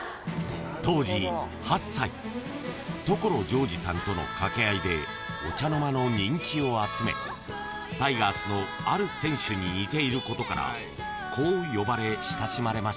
「うん」［所ジョージさんとの掛け合いでお茶の間の人気を集めタイガースのある選手に似ていることからこう呼ばれ親しまれました］